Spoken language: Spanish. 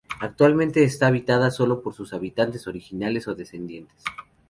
Actualmente está habitada sólo por sus habitantes originales o descendientes.